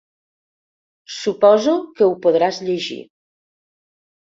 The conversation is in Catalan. Suposo que ho podràs llegir.